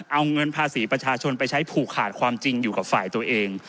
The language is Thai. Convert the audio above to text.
เอาเงินภาษีประชาชนไปใช้ผูกขาดความจริงอยู่กับฝ่ายตัวเอง